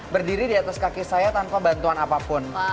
berdiri di atas kaki saya tanpa bantuan apapun